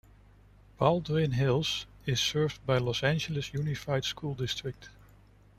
Baldwin Hills is served by Los Angeles Unified School District.